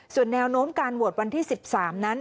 ส่วนแนวโน้มการโหวตวันที่๑๓นั้น